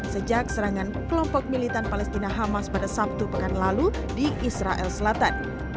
sejak serangan kelompok militan palestina hamas pada sabtu pekan lalu di israel selatan